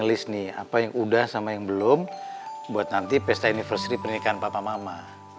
rilis nih apa yang udah sama yang belum buat nanti pesta university pernikahan papa mama